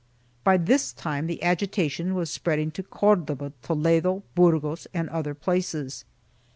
By this time the agitation was spread ing to Cordova, Toledo, Burgos and other places.